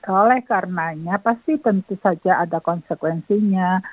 oleh karenanya pasti tentu saja ada konsekuensinya